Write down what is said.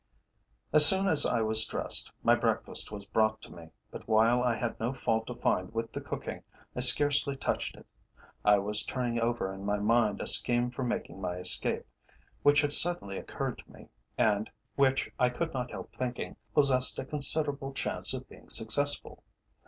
As soon as I was dressed, my breakfast was brought to me, but while I had no fault to find with the cooking, I scarcely touched it. I was turning over in my mind a scheme for making my escape, which had suddenly occurred to me, and which, I could not help thinking, possessed a considerable chance of being successful.